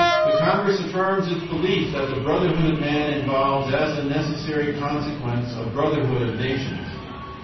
The congress affirms its belief that the brotherhood of man involves as a necessary consequence a brotherhood of nations.